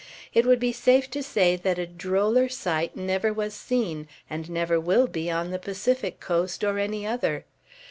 It would be safe to say that a droller sight never was seen, and never will be, on the Pacific coast or any other.